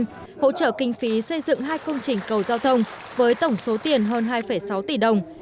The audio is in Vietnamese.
hỗ trợ kinh phí xây dựng hai công trình cầu giao thông với tổng số tiền hơn hai sáu tỷ đồng